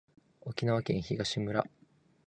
沖縄県東村